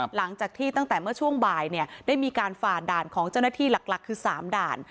หลังจากที่ตั้งแต่เมื่อช่วงบ่ายเนี่ยได้มีการฝ่าด่านของเจ้าหน้าที่หลักคือ๓ด่าน